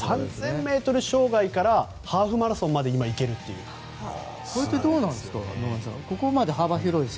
３０００ｍ障害からハーフマラソンまでどうなんですかね